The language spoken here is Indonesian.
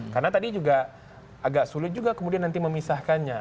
karena tadi juga agak sulit juga kemudian nanti memisahkannya